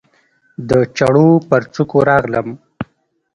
د چړو پر څوکو راغلم